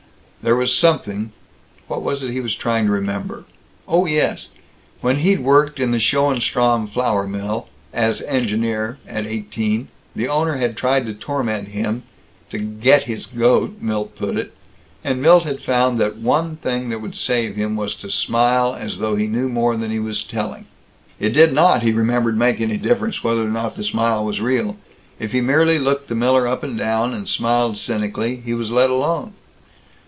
There was something What was it he was trying to remember? Oh yes. When he'd worked in the Schoenstrom flour mill, as engineer, at eighteen, the owner had tried to torment him (to "get his goat," Milt put it), and Milt had found that the one thing that would save him was to smile as though he knew more than he was telling. It did not, he remembered, make any difference whether or not the smile was real. If he merely looked the miller up and down, and smiled cynically, he was let alone.